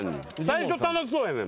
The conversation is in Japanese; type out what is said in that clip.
最初楽しそうやねん。